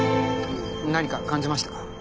何か感じましたか？